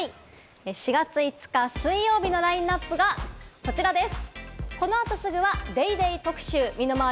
４月５日水曜日のラインナップがこちらです。